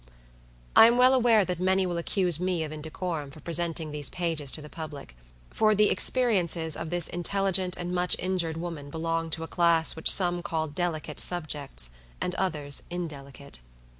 I am well aware that many will accuse me of indecorum for presenting these pages to the public; for the experiences of this intelligent and much injured woman belong to a class which some call delicate subjects, and others indelicate.